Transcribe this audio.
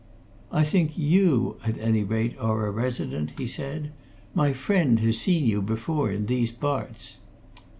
"I think you, at any rate, are a resident?" he said. "My friend has seen you before in these parts."